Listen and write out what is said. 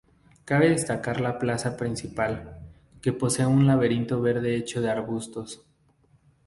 Cabe destacar la plaza principal, que posee un laberinto verde hecho de arbustos.